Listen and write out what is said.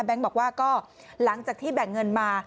บอกว่าก็หลังจากที่แบ่งเงินมา